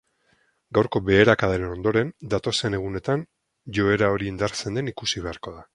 Gaurko beherakadaren ondoren, datozen egunetan joera hori indartzen den ikusi beharko da.